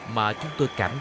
mà chúng tôi cảm nhận